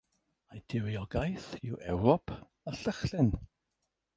Ei diriogaeth yw Ewrop a Llychlyn.